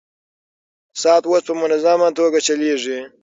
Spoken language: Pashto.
ساعت اوس په منظمه توګه چلېږي.